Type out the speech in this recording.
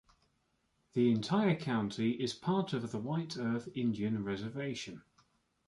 The entire county is part of the White Earth Indian Reservation.